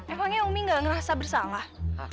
emangnya umi gak ngerasa bersalah